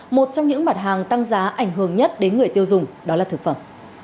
một trong những mặt hàng tăng giá ảnh hưởng nhất đến người tiêu dùng đó là thực phẩm